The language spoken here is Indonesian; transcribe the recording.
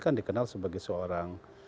kan dikenal sebagai seorang